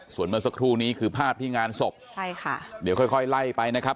ส่วนเมื่อสักครู่นี้คือภาพที่งานศพใช่ค่ะเดี๋ยวค่อยค่อยไล่ไปนะครับ